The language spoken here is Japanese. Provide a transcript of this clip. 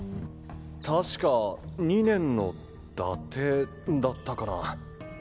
確か２年の伊達だったかな。